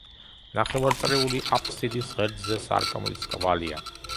ნახევარწრიული აფსიდის ღერძზე სარკმლის კვალია.